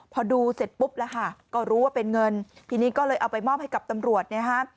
พอดูเสร็จปุ๊บแล้วค่ะก็รู้ว่าเป็นเงินทีนี้ก็เลยเอาไปมอบให้กับตำรวจเนี่ยฮะ